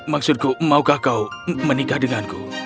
maksudku maukah kau menikah denganku